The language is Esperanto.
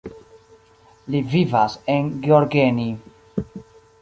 Li vivas en Gheorgheni.